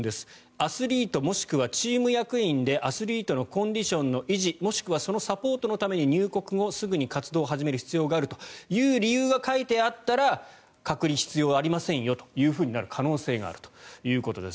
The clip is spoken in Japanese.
アスリートもしくはチーム役員でアスリートのコンディションの維持もしくはそのサポートのために入国後すぐに活動を始める必要があるという理由が書いてあったら隔離必要ありませんよとなる可能性があるということです。